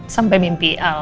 sampai mimpi al